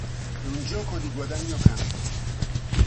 È un gioco di guadagno-campo.